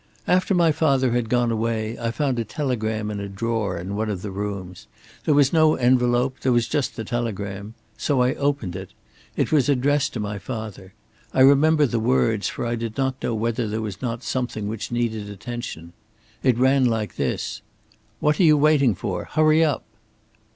"After my father had gone away, I found a telegram in a drawer in one of the rooms. There was no envelope, there was just the telegram. So I opened it. It was addressed to my father. I remember the words, for I did not know whether there was not something which needed attention. It ran like this: 'What are you waiting for? Hurry up.'"